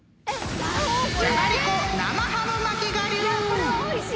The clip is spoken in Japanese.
［じゃがりこ生ハム巻き我流！］